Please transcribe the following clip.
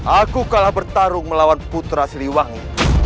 aku kalah bertarung melawan putra siliwangi